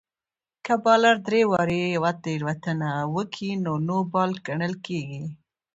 که بالر درې واري يوه تېروتنه وکي؛ نو نو بال ګڼل کیږي.